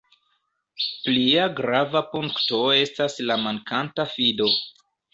Plia grava punkto estas la mankanta fido.